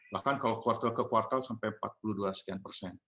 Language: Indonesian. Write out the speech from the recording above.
bahkan kalau kuartal ke kuartal sampai empat puluh dua sekian persen